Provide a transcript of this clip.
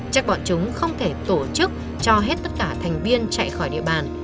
chắc bọn chúng không thể tổ chức cho hết tất cả thành viên chạy khỏi địa bàn